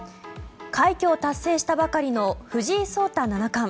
快挙を達成したばかりの藤井聡太七冠。